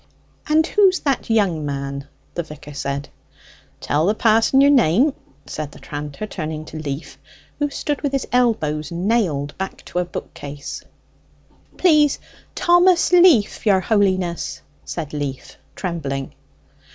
"And who's that young man?" the vicar said. "Tell the pa'son yer name," said the tranter, turning to Leaf, who stood with his elbows nailed back to a bookcase. "Please, Thomas Leaf, your holiness!" said Leaf, trembling.